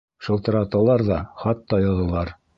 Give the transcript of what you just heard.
Шылтыраталар ҙа, хат та яҙалар.